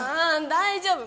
大丈夫。